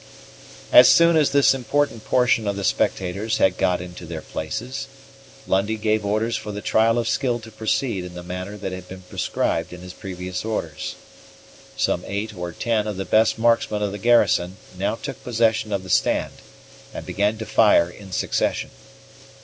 As soon as this important portion of the spectators had got into their places, Lundie gave orders for the trial of skill to proceed in the manner that had been prescribed in his previous orders. Some eight or ten of the best marksmen of the garrison now took possession of the stand, and began to fire in succession.